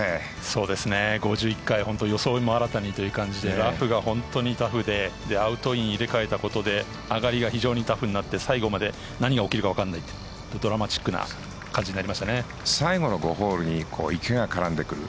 そうですね５１回目、装いも新たにラフが本当にタフでアウトウィンを入れ替えたことで上がりが非常にタフになって最後まで何が起きるかドラマチックな感じに最後の５ホールに池が絡んでくる。